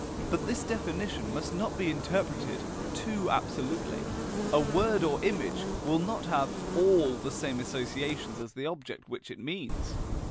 But this definition must not be interpreted too absolutely: a word or image will not have ALL the same associations as the object which it means.